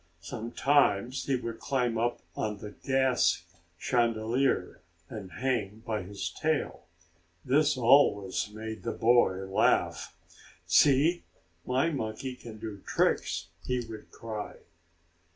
Sometimes he would climb up on the gas chandelier and hang by his tail. This always made the boy laugh. "See, my monkey can do tricks!" he would cry.